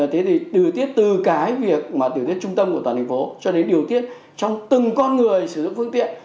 thế thì điều tiết từ cái việc mà điều tiết trung tâm của toàn thành phố cho đến điều tiết trong từng con người sử dụng phương tiện